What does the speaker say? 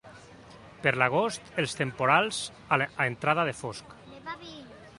Per l'agost, els temporals a entrada de fosc.